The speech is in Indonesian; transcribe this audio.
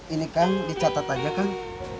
ini kang dicatat aja kang